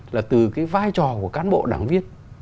là từ cái vai trò của cán bộ đảng viên